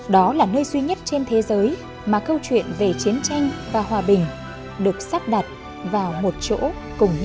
đó là nơi duy nhất trên thế giới mà câu chuyện về chiến tranh và hòa bình được sắp đặt vào một chỗ cùng nhau